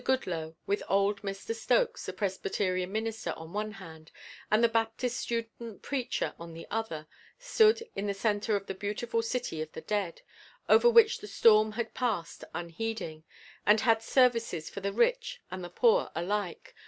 Goodloe, with old Mr. Stokes, the Presbyterian minister, on one hand, and the Baptist student preacher on the other, stood in the center of the beautiful city of the dead, over which the storm had passed unheeding, and had services for the rich and the poor alike.